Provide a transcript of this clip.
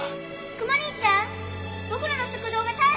クマ兄ちゃん僕らの食堂が大変なんだ！